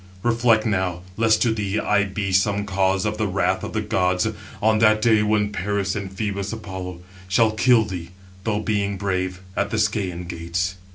Reflect now, lest to thee I be some cause of the wrath of the gods, on that day when Paris and Phœbus Apollo 710 shall kill thee, though being brave, at the Scæan gates."